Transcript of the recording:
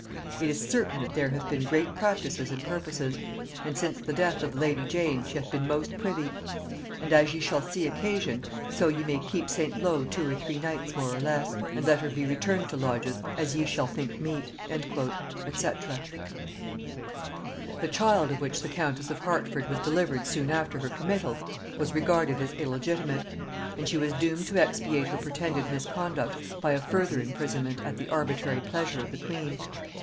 It is certain that there hath been great practices and purposes; and since the death of the lady Jane she hath been most privy. And as ye shall see occasion so ye may keep St. Low two or three nights more or less, and let her be returned to Lodge's or kept still with you as ye shall think meet." &c. [Note 49: "Burleigh Papers" by Haynes.] The child of which the countess of Hertford was delivered soon after her committal, was regarded as illegitimate, and she was doomed to expiate her pretended misconduct by a further imprisonment at the arbitrary pleasure of the queen.